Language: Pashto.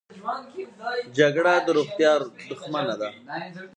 جګړه د روغتیا دښمنه ده